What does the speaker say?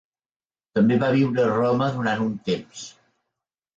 També va viure a Roma durant un temps.